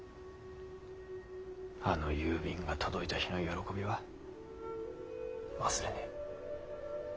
あの郵便が届いた日の喜びは忘れねぇ。